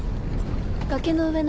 崖の上の。